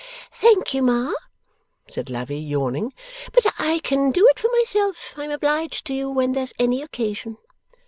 'Thank you, Ma,' said Lavvy, yawning, 'but I can do it for myself, I am obliged to you, when there's any occasion.